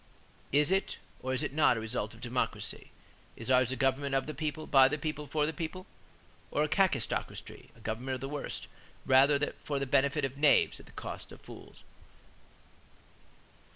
Is it or is it not a result of democracy? Is ours a 'government of the people, by the people, for the people,' or a Kakistocracy [a government of the worst], rather for the benefit of knaves at the cost of fools?"